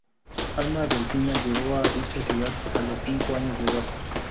Alma Delfina llegó a dicha ciudad a los cinco años de edad.